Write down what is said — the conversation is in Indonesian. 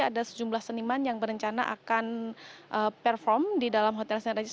ada sejumlah seniman yang berencana akan perform di dalam hotel st regis